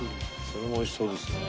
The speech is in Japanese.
それも美味しそうですね。